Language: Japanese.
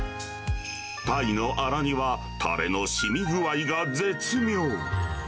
タイのあら煮はたれのしみ具合が絶妙。